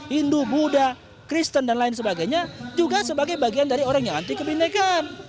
hindu buddha kristen dan lain sebagainya juga sebagai bagian dari orang yang anti kebinekaan